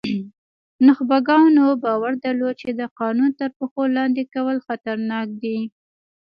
نخبګانو باور درلود چې د قانون تر پښو لاندې کول خطرناک دي.